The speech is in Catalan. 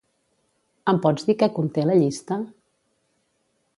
Em pots dir què conté la llista?